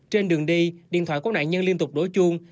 trên đường đi điện thoại của nạn nhân liên tục đổi chuông